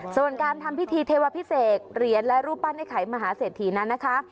ส่วนการทำพิธีเทวพิเศษเหรียญและรูปปั้นไอ้ไข่มหาเศรษฐีนั้นนะคะ